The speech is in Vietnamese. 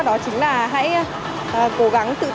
đó chính là hãy cố gắng tự nhiên